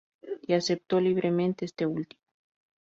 Y aceptó libremente este último.